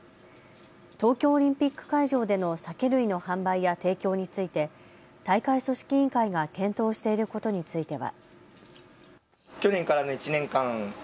東京オリンピック会場での酒類の販売や提供について大会組織委員会が検討していることについては。